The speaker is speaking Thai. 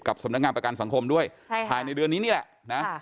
สำนักงานประกันสังคมด้วยภายในเดือนนี้นี่แหละนะ